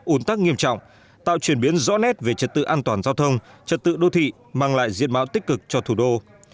ủn tắc nghiêm trọng tạo truyền biến rõ nét về trật tự an toàn giao thông trật tự đô thị mang lại diệt máu tích cực cho thủ đô